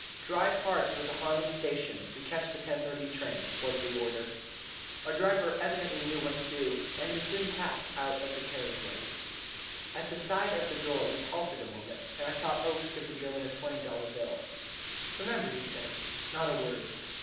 "Drive hard for the Harlem Station; we can catch the 10:30 train," was the order. Our driver evidently knew what to do, and we soon passed out of the carriage way. At the side of the door we halted a moment, and I saw Oakes give the German a twenty dollar bill. "Remember," he said, "not a word."